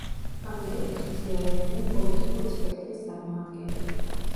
ამ იდეებს იზიარებდნენ პოლიტიკური სპექტრის წარმომადგენლები.